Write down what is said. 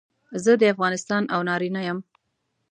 زه د افغانستان او نارینه یم.